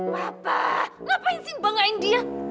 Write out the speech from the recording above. bapak ngapain sih banggain dia